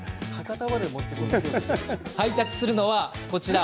配達するのは、こちら。